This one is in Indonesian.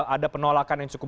ada penolakan yang cukup